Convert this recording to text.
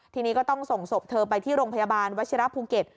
ทีนี้ก็ต้องส่งศพเธอไปที่โรงพยาบาลวัชิระภูเก็ต